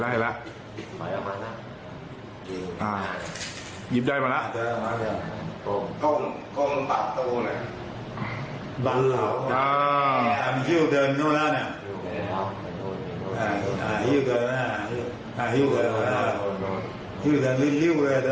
เยอะไปยังไง